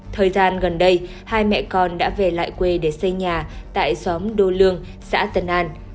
thời gian gần đây hai mẹ con đã về lại quê để xây nhà tại xóm đô lương xã tân an